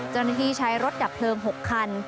จนที่ใช้รถกับเพลิง๖คัน